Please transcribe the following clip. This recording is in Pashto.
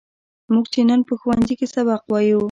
موږ چې نن په ښوونځي کې سبق وایو.